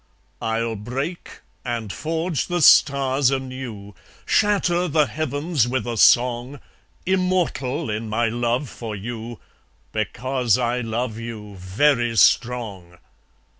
I'll break and forge the stars anew, Shatter the heavens with a song; Immortal in my love for you, Because I love you, very strong.